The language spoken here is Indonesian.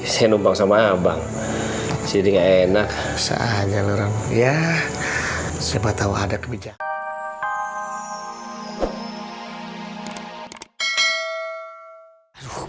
saya numpang sama abang jadi enak saja lorong ya siapa tahu ada kebijakan